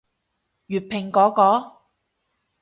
粵拼嗰個？